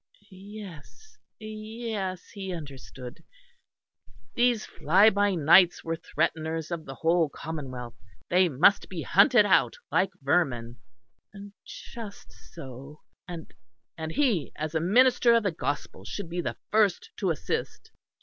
Yes, yes, he understood; these fly by nights were threateners of the whole commonwealth; they must be hunted out like vermin just so; and he as a minister of the Gospel should be the first to assist.